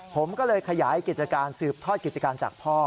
ผมก็เลยขยายกิจการสืบทอดกิจการจากพ่อ